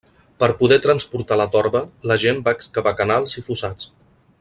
Per poder transportar la torba, la gent va excavar canals i fossats.